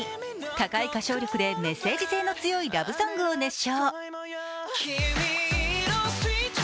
高い歌唱力で、メッセージ性の強いラブソングを熱唱。